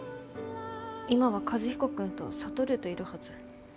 今は和彦君と智といるはず。